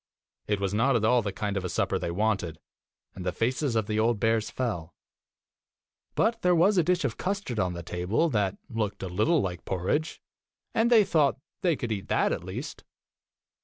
It was not at all the kind of a supper they wanted, and the faces of the old bears fell ; but there was a dish of custard on the table that looked a little like porridge, and they thought they could eat that at least.